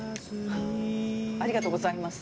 ありがとうございます